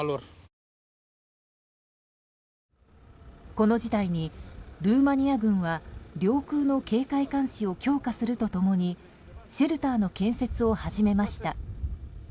この事態にルーマニア軍は領空の警戒監視を強化すると共にシェルターの建設を始めました。